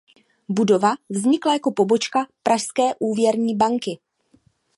Budova vznikla jako pobočka Pražské úvěrní banky.